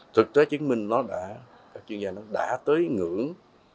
thực tế chứng minh nó đã các chuyên gia nó đã tới ngưỡng